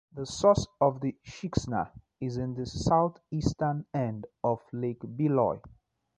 The source of the Sheksna is in the southeastern end of Lake Beloye.